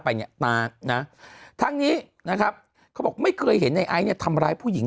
ไปเนี่ยตานะทั้งนี้นะครับเขาบอกไม่เคยเห็นในไอซ์เนี่ยทำร้ายผู้หญิง